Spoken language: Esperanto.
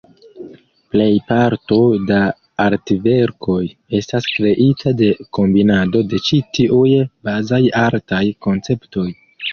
Plejparto da artverkoj estas kreita de kombinado de ĉi tiuj bazaj artaj konceptoj.